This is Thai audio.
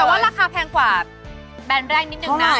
แต่ว่าราคาแพงกว่าแบรนด์แรกนิดนึงนะ